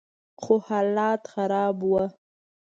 خو حالات خراب ول.